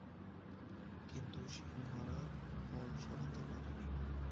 কিন্তু সিংহরা বল সরাতে পারেনি।